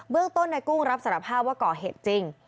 เรื่องต้นในกุ้งรับสารภาพว่าก่อเหตุจริง